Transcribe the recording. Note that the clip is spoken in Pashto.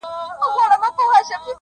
ما خو گيله ترې په دې په ټپه کي وکړه،